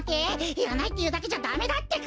いらないっていうだけじゃダメだってか！